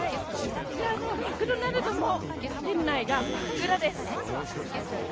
こちらのマクドナルドも店内が真っ暗です。